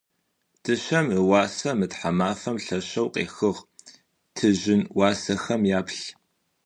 Дышъэм ыуасэ мы тхьамафэм лъэшэу къехыгъ, тыжьын уасэхэм яплъ.